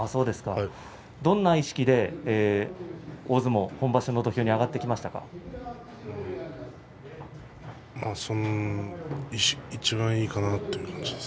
どんな意識で大相撲、今場所の土俵にいちばんいいかなという感じです。